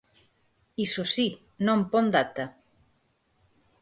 Iso si, non pon data.